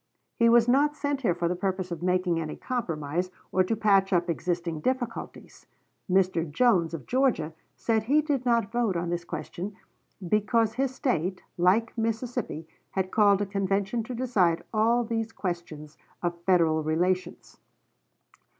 He was not sent here for the purpose of making any compromise or to patch up existing difficulties. Mr. Jones, of Georgia, said he did not vote on this question because his State, like Mississippi, had called a convention to decide all these questions of Federal relations.